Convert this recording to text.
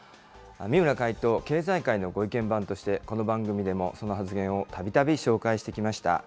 三村会頭、経済界のご意見番として、この番組でもその発言をたびたび紹介してきました。